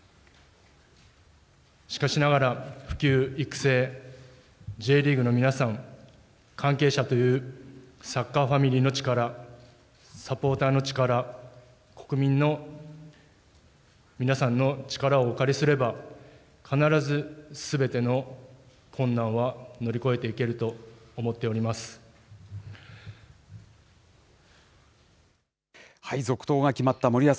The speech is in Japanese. しかしながら、普及、育成、Ｊリーグの皆さん、関係者というサッカーファミリーの力、サポーターの力、国民の皆さんの力をお借りすれば、必ずすべての困難は乗り越えていけると思っております。